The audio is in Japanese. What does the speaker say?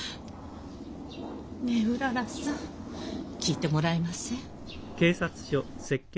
ねえうららさん聞いてもらえません？